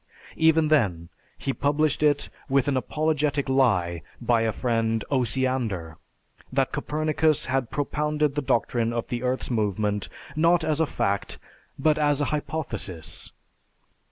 Even then he published it with an apologetic lie by a friend Osiander, that Copernicus had propounded the doctrine of the earth's movement not as a fact, but as a hypothesis.